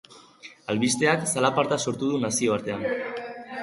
Albisteak zalaparta sortu du nazioartean.